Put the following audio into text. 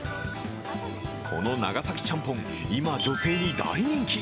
この長崎ちゃんぽん、今、女性に大人気。